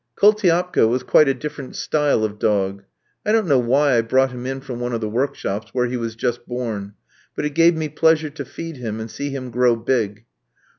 Koultiapka was quite a different style of dog. I don't know why I brought him in from one of the workshops, where he was just born; but it gave me pleasure to feed him, and see him grow big.